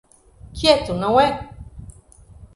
Quieto, não é?